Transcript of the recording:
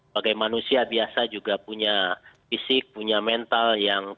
bagaimana manusia biasa juga punya fisik punya mental